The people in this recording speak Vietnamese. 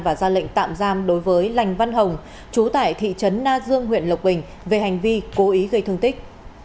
và ra lệnh tạm giam đối với lành văn hồng chú tại thị trấn na dương huyện lộc bình về hành vi cố ý gây thương tích